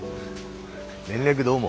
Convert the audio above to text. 連絡どうも。